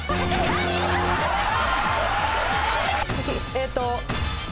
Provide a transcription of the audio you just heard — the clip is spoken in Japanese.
えーっと。